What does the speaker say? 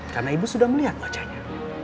karena ibu sudah melihat wajahnya